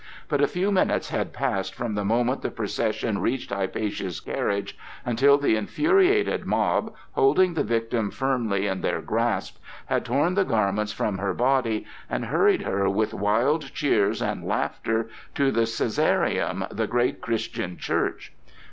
But a few minutes had passed from the moment the procession reached Hypatia's carriage until the infuriated mob, holding the victim firmly in their grasp, had torn the garments from her body and hurried her with wild cheers and laughter to the Cæsarium, the great Christian church.